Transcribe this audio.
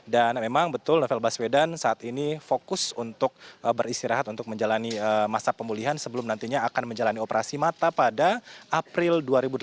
dan memang betul novel baswedan saat ini fokus untuk beristirahat untuk menjalani masa pemulihan sebelum nantinya akan menjalani operasi mata pada april